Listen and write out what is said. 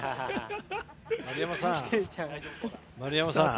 丸山さん。